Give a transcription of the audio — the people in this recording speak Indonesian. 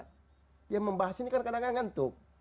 dia membahas ini kan kadang kadang ngantuk